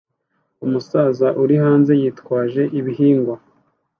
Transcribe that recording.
Umusaza uri hanze yitwaje ibihingwa